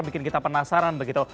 bikin kita penasaran begitu